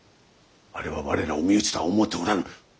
あれは我らを身内とは思うておらぬ。